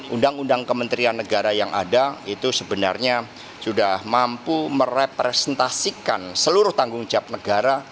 undang undang kementerian negara yang ada itu sebenarnya sudah mampu merepresentasikan seluruh tanggung jawab negara